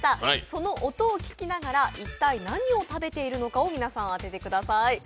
その音を聞きながら一体何を食べているのかを皆さん当ててください。